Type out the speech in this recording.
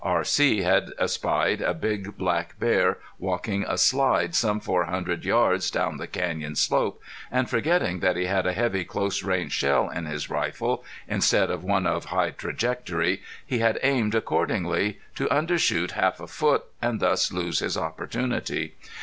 R.C. had espied a big black bear walking a slide some four hundred yards down the canyon slope, and forgetting that he had a heavy close range shell in his rifle instead of one of high trajectory, he had aimed accordingly, to undershoot half a foot and thus lose his opportunity.